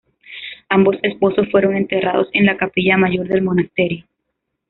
Ambos esposos fueron enterrados en la capilla mayor del monasterio.